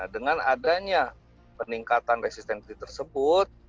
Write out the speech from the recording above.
dengan adanya peningkatan resistensi tersebut